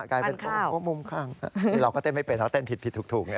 ปั้นข้าวมุมข้างเราก็เต้นไม่เป็นเพราะเต้นผิดถูก